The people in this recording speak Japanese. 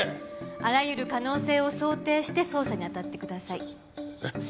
あらゆる可能性を想定して捜査に当たってください。